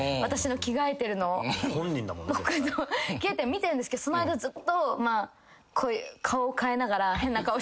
着替えてるの見てるんですけどその間ずっと。